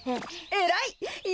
えらい！